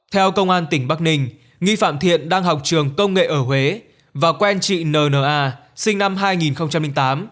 theo công an tỉnh bắc ninh nghi phạm thiện đang học trường công nghệ ở huế và quen chị n n a sinh năm hai nghìn tám